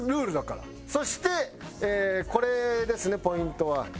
そしてこれですねポイントは。